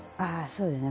そうですね。